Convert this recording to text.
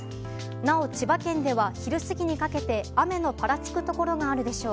なお、千葉県では昼過ぎにかけて雨のぱらつくところがあるでしょう。